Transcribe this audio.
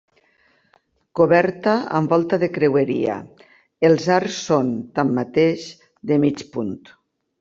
Coberta amb volta de creueria, els arcs són, tanmateix, de mig punt.